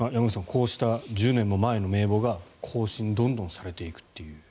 こうした１０年も前の名簿が更新どんどんされていくという。